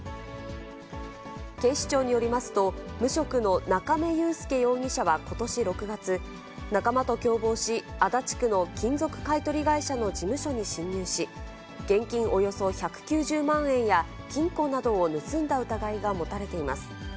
警視庁によりますと、無職の中明裕介容疑者はことし６月、仲間と共謀し、足立区の金属買い取り会社の事務所に侵入し、現金およそ１９０万円や金庫などを盗んだ疑いが持たれています。